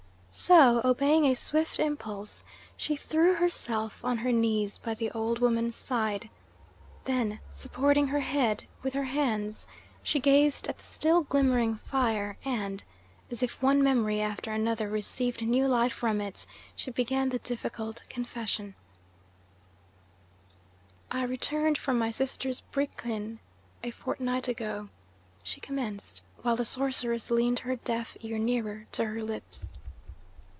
So, obeying a swift impulse, she threw herself on her knees by the old woman's side. Then, supporting her head with her hands, she gazed at the still glimmering fire, and, as if one memory after another received new life from it, she began the difficult confession: "I returned from my sister's brick kiln a fortnight ago," she commenced, while the sorceress leaned her deaf ear nearer to her lips.